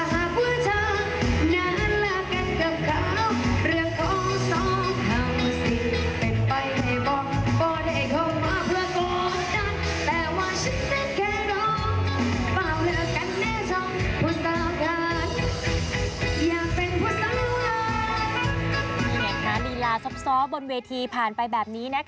นี่ไงคะลีลาซ้อมบนเวทีผ่านไปแบบนี้